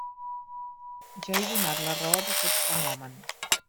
Ja he donat la raó d'aquest fenomen.